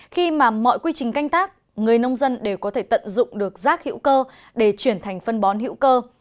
khi mà mọi quy trình canh tác người nông dân đều có thể tận dụng được rác hữu cơ để chuyển thành phân bón hữu cơ